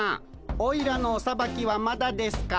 おいらのおさばきはまだですか。